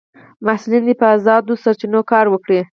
محصلین دي په ازادو سرچینو کار وکړي.